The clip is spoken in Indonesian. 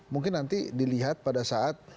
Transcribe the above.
mungkin nanti dilihat pada saat